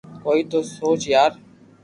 ڪوئي تو سوچ يار